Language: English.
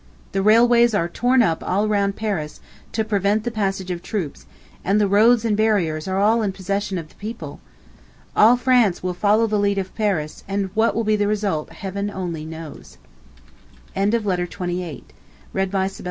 The railways are torn up all round Paris, to prevent the passage of troops, and the roads and barriers are all in possession of the people. All France will follow the lead of Paris, and what will be the result Heaven only knows. To I. P. D. LONDON, February 26, 1848. MY DEAR UNCLE